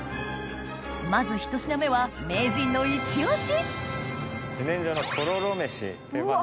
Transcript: まずひと品目は名人のイチ押しうわっ！